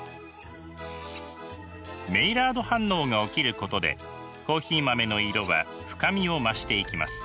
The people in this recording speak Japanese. メイラード反応が起きることでコーヒー豆の色は深みを増していきます。